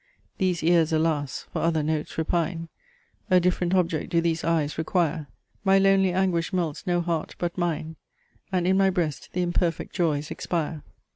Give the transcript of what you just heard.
These ears, alas! for other notes repine; _A different object do these eyes require; My lonely anguish melts no heart but mine; And in my breast the imperfect joys expire.